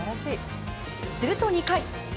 すると２回。